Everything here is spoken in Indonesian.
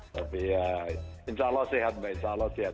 tapi ya insya allah sehat mbak insya allah sehat